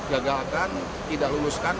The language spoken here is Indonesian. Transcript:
gagalkan tidak luluskan